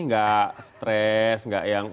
tidak stres tidak yang